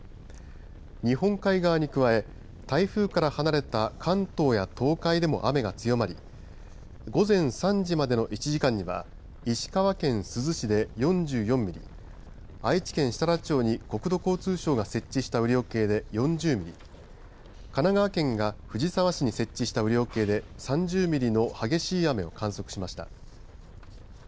日本海側に加え台風から離れた関東や東海でも雨が強まり午前３時までの１時間には石川県珠洲市で４４ミリ愛知県設楽町に国土交通省が設置した雨量計で４０ミリ神奈川県が藤沢市に設置した雨量計で３０ミリの激しい雨を観測しました。